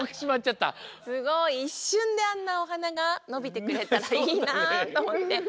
すごいいっしゅんであんなおはながのびてくれたらいいなとおもって。